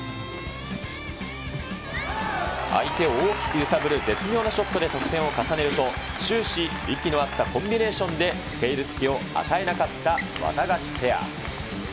相手を大きく揺さぶる絶妙なショットで得点を重ねると、終始、息の合ったコンビネーションでつけいる隙を与えなかったワタガシペア。